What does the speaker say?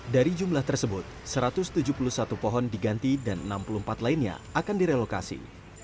dari jumlah tersebut satu ratus tujuh puluh satu pohon diganti dan enam puluh empat lainnya akan direlokasi